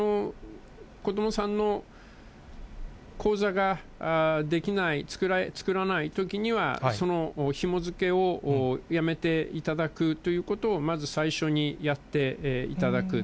子どもさんの口座が出来ない、作らないときには、そのひも付けをやめていただくということを、まず最初にやっていただく。